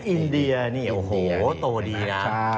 อินเดียนี่โอ้โหโตดีนะ